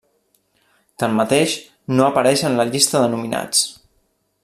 Tanmateix, no apareix en la llista de nominats.